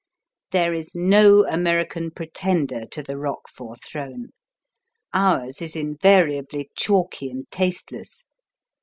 There is no American pretender to the Roquefort throne. Ours is invariably chalky and tasteless.